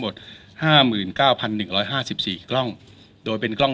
ห้าหมื่นเก้าพันหนึ่งร้อยห้าสิบสี่กล้องโดยเป็นกล้อง